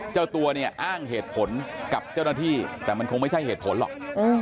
เจ้าตัวเนี่ยอ้างเหตุผลกับเจ้าหน้าที่แต่มันคงไม่ใช่เหตุผลหรอก